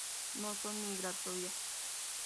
No son migratorias.